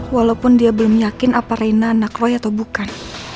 walaupun dia belum yakin apa reina nakroy atau bukan